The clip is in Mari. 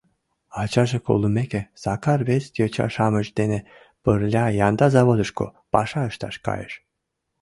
Ачаже колымеке Сакар вес йоча-шамыч дене пырля янда заводышко паша ышташ кайыш.